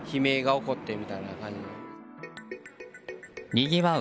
にぎわう